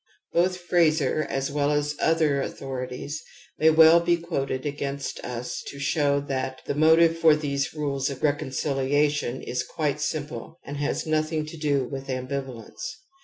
Both Frazer as well as other author ities may well be quoted against us to show that the motive for these rules of reconciliation is quite simple and has nothing to do with ' ambi valence.'